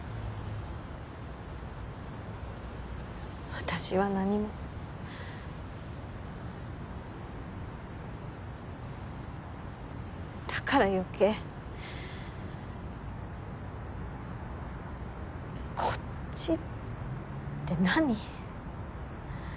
私は何もだからよけい「こっち」って何？